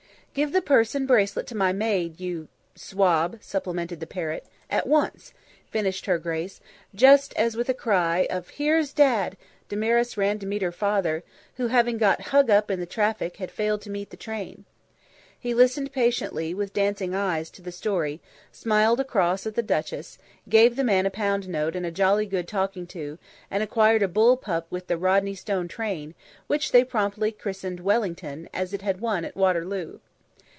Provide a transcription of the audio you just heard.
"Give the purse and bracelet to my maid, you " "Swab," supplemented the parrot. " at once," finished her grace, just as, with a cry of "Here's Dad!" Damaris ran to meet her father, who, having got hung up in the traffic, had failed to meet the train. He listened patiently, with dancing eyes, to the story, smiled across at the duchess, gave the man a pound note and a jolly good talking to, and acquired a bull pup with the Rodney Stone strain, which they promptly christened Wellington, as it had won at Waterloo.